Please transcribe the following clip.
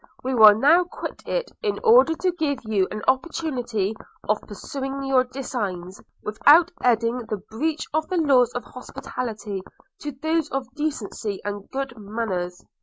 We will now quit it, in order to give you an opportunity of pursuing your design, without adding the breach of the laws of hospitality to those of decency and good manners.'